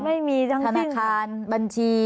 ไม่มีทั้งสิ้นธนาคารบัญชี